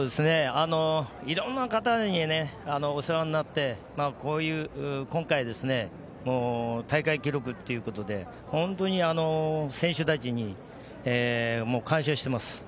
色んな方にお世話になって今回、大会記録ということで本当に選手たちに感謝しています。